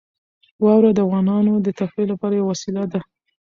واوره د افغانانو د تفریح لپاره یوه وسیله ده.